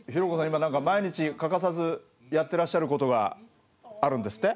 今何か毎日欠かさずやってらっしゃることがあるんですって？